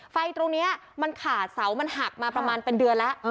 ไฟตรงนี้มันขาดเสามันหักมาประมาณเป็นเดือนแล้ว